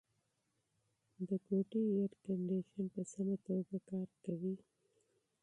د کوټې اېرکنډیشن په سمه توګه کار کوي.